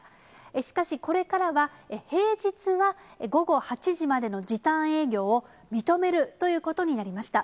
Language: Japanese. しかしこれからは、平日は午後８時までの時短営業を認めるということになりました。